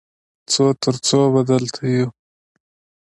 څو تر څو به دلته یو؟